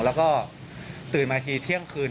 แล้วตื่นมาอีกทีเที่ยงคืน